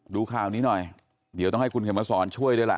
ดูข่าวนี้หน่อยเดี๋ยวต้องให้คุณเข็มมาสอนช่วยด้วยล่ะ